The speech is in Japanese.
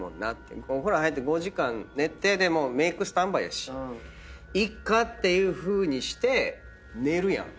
お風呂入って５時間寝てもうメークスタンバイやしいっかっていうふうにして寝るやん。